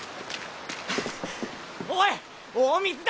おい大水だ！